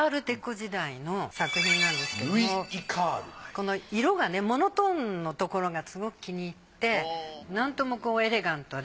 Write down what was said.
この色がねモノトーンのところがすごく気に入ってなんともこうエレガントで。